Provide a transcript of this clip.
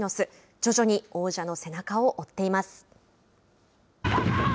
徐々に王者の背中を追っています。